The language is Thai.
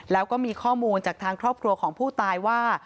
แล้วก็มีข้อมูลจากทางครอบครัวของผู้ตายว่า